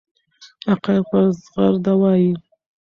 حقایق په زغرده وایي.